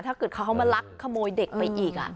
ถ้าเกิดเขามาลักขโมยเด็กไปอีก